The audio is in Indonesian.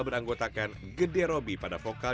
beranggotakan gede robby pada vokal